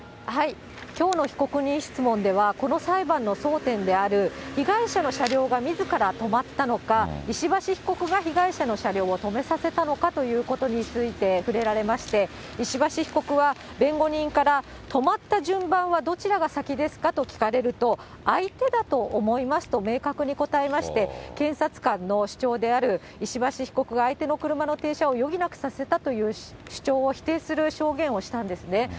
きょうの被告人質問では、この裁判の争点である、被害者の車両がみずから止まったのか、石橋被告が被害者の車両を止めさせたのかということについて触れられまして、石橋被告は、弁護人から、止まった順番はどちらが先ですかと聞かれると、相手だと思いますと明確に答えまして、検察官の主張である、石橋被告が相手の車の停車を余儀なくさせたという主張を否定する証言をしたんですね。